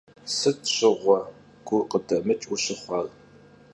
Sıt şığue gukhıdemıc vuşıxhuar?